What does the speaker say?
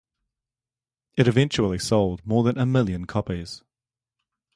It eventually sold more than a million copies.